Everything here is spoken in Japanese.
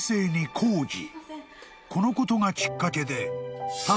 ［このことがきっかけで］